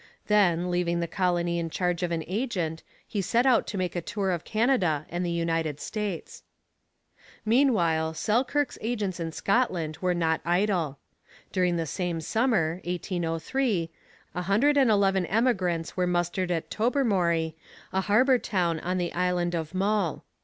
Then, leaving the colony in charge of an agent, he set out to make a tour of Canada and the United States. Meanwhile, Selkirk's agents in Scotland were not idle. During the same summer (1803) a hundred and eleven emigrants were mustered at Tobermory, a harbour town on the island of Mull.